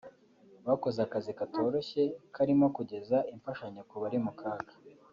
Bakoze akazi katoroshye karimo kugeza imfashanyo ku bari mu kaga